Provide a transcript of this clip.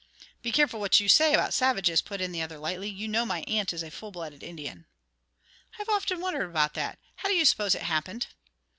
"Be careful what you say about savages," put in the other, lightly; "you know my aunt is a full blooded Indian." "I've often wondered about that. How do you suppose it happened?"